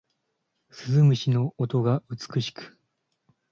鈴虫の音が美しく